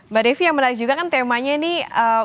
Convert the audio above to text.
mbak devi yang menarik juga kan temanya nih